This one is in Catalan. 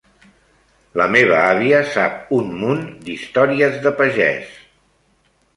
La meva àvia sap un munt d'històries de pagès.